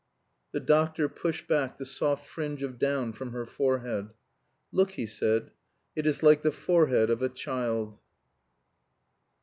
The doctor pushed back the soft fringe of down from her forehead. "Look," he said, "it is like the forehead of a child."